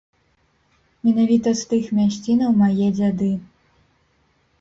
Менавіта з тых мясцінаў мае дзяды.